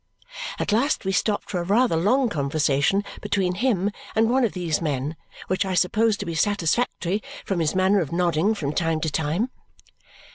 At last we stopped for a rather long conversation between him and one of these men, which I supposed to be satisfactory from his manner of nodding from time to time.